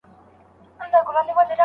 آیا کلیزه تر عادي ورځي ځانګړې ده؟